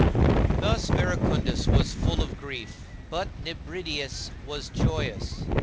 6. Thus Verecundus was full of grief; but Nebridius was joyous.